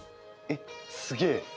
えっすげぇ！